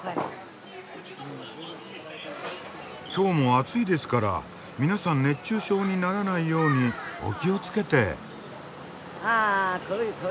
きょうも暑いですから皆さん熱中症にならないようにお気をつけて。